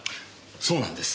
そうなんです。